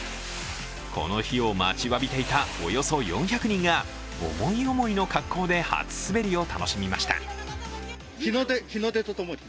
この日を待ちわびていたおよそ４００人が思い思いの格好で初滑りを楽しみました。